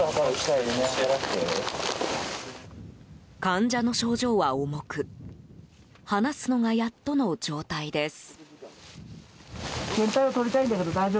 患者の症状は重く話すのがやっとの状態です。